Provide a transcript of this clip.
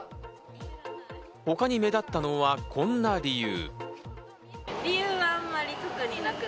他に目立ったのはこんな理由。